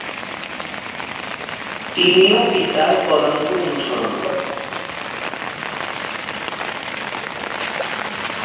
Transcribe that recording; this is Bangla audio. তিনিও পিতার পদাঙ্ক অনুসরণ করেন।